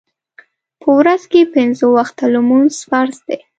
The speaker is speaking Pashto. په ورځ کې پنځه وخته لمونځ فرض دی